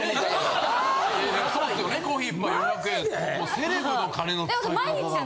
セレブの金の使い方だわ。